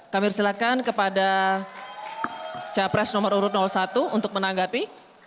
kami silakan kepada capres nomor satu untuk menanggapi